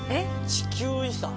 地球遺産？